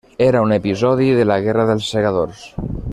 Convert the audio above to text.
Era un episodi de la Guerra dels Segadors.